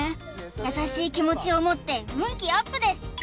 優しい気持ちを持って運気アップです